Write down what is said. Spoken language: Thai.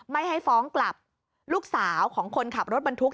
ไม่ให้ฟ้องกลับลูกสาวของคนขับรถบรรทุก